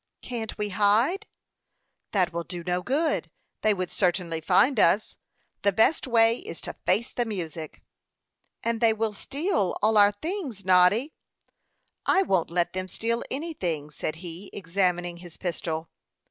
"Can't we hide?" "That will do no good. They would certainly find us. The best way is to face the music." "And they will steal all our things, Noddy." "I won't let them steal anything," said he, examining his pistol.